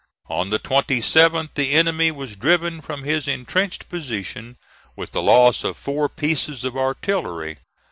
On the 27th the enemy was driven from his intrenched position, with the loss of four pieces of artillery.